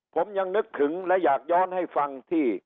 ผมยังนึกถึงและอยากย้อนให้ฟังที่